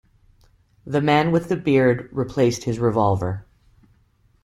The man with the beard replaced his revolver.